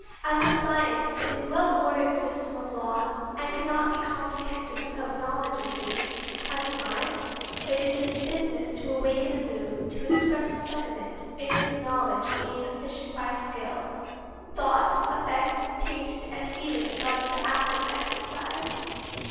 As a science it is a well ordered system of laws, and cannot be comprehended without knowledge of these. As an art, it is its business to awaken a mood, to express a sentiment; it is knowledge made efficient by skill thought, effect, taste and feeling brought into active exercise.